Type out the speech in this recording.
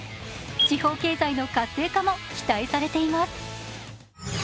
地方経済の活性化も期待されています。